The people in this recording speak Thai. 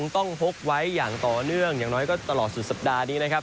ต้องพกไว้อย่างต่อเนื่องอย่างน้อยก็ตลอดสุดสัปดาห์นี้นะครับ